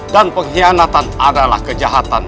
dan pengkhianatan adalah kejahatan